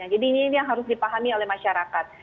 jadi ini yang harus dipahami oleh masyarakat